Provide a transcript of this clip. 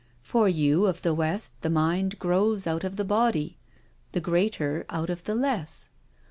For you of the West the mind grows out of the body — ^the greatec out of the less.